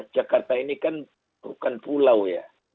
jakarta ini kan bukan pulau ya